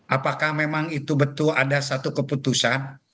apakah memang itu betul ada satu keputusan